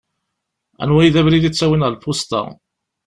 Anwa i d abrid ittawin ɣer lpusṭa?